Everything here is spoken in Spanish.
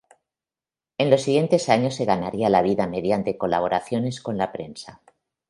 En los siguientes años se ganaría la vida mediante colaboraciones con la prensa.